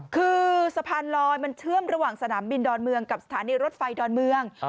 คือสะพานลอยมันเชื่อมระหว่างสนามบินดอนเมืองกับสถานีรถไฟดอนเมือง